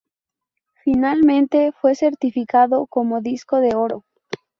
Finalmente fue certificado como disco de oro.